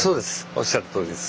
おっしゃるとおりです。